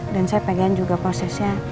dan saya pengen juga prosesnya